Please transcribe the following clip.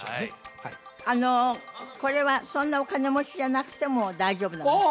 はいあのこれはそんなお金持ちじゃなくても大丈夫なんですか？